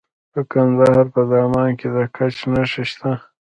د کندهار په دامان کې د ګچ نښې شته.